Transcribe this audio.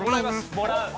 もらう。